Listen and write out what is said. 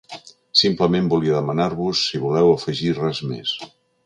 Simplement volia demanar-vos si voleu afegir res més.